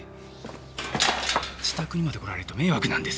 自宅にまで来られると迷惑なんです。